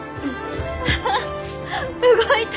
アハ動いた！